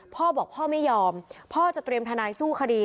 พ่อบอกพ่อไม่ยอมพ่อจะเตรียมทนายสู้คดี